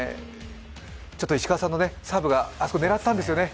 石川さんのサーブが、あそこ狙ったんですよね？